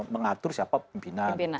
mengatur siapa pimpinan